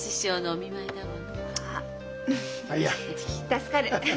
助かる。